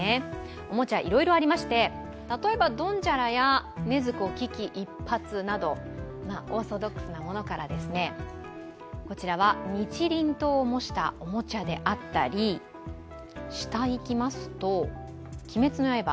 おもちゃ、いろいろありまして、例えばドンジャラや禰豆子危機一髪などオーソドックスなものから、こちらは日輪刀を模したおもちゃであったり、「鬼滅の刃」